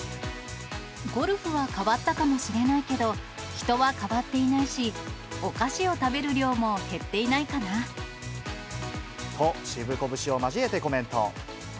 ゴルフは変わったかもしれないけど、人は変わっていないし、お菓子を食べる量も減っていないと、シブコ節を交えてコメント。